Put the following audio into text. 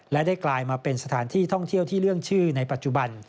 และได้กลายมาเป็นสถานที่ท่องเที่ยวที่เรื่องชื่อในปัจจุบัน